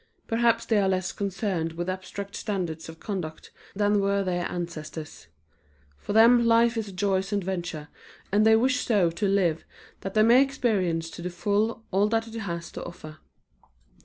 Perhaps they are less concerned with abstract standards of conduct than were their ancestors. For them life is a joyous adventure, and they wish so to live that they may experience to the full all that it has to offer.